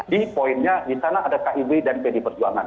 di poinnya di sana ada kib dan pd perjuangan